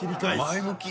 前向き。